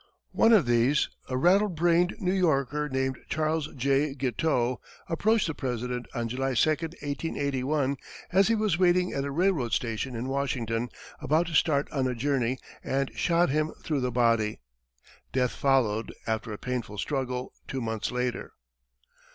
One of these, a rattle brained New Yorker named Charles J. Guiteau, approached the President on July 2, 1881, as he was waiting at a railroad station in Washington, about to start on a journey, and shot him through the body. Death followed, after a painful struggle, two months later.